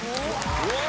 うわ！